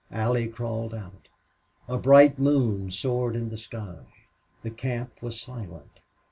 Allie crawled out. A bright moon soared in the sky. The camp was silent.